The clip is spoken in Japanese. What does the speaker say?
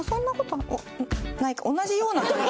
同じような感じ。